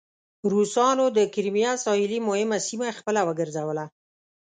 روسانو د کریمیا ساحلي مهمه سیمه خپله وګرځوله.